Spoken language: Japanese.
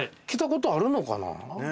来たことあるのかな？